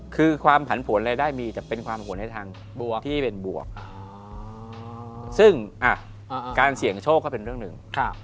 คือความผันผวนรายได้มีแต่เป็นความหวนในทางที่เป็นบวกซึ่งการเสี่ยงโชคก็เป็นเรื่องหนึ่ง